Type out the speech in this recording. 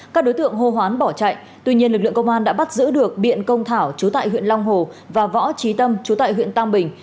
các đối tượng hô hoán bỏ chạy tuy nhiên lực lượng công an đã bắt giữ được biện công thảo chú tại huyện long hồ và võ trí tâm chú tại huyện tam bình